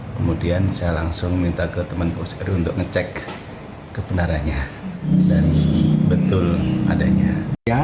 kemudian saya langsung minta ke teman polri untuk ngecek kebenarannya dan betul adanya